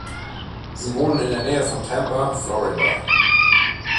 Sie wohnen in der Nähe von Tampa, Florida.